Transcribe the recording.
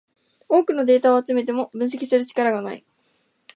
多くのデータが集めても分析する力がない